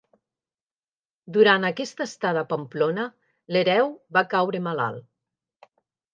Durant aquesta estada a Pamplona, l'hereu va caure malalt.